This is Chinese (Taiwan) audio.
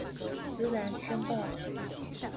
自然生動